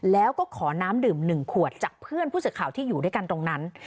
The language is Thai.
แล้วก็ขอน้ำดื่ม๑ขวดจากเพื่อนผู้สื่อข่าวที่อยู่ด้วยกันตรงนั้น